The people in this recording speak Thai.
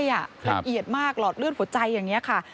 ละเอียดมากหลอดเลือดหัวใจอย่างนี้ค่ะ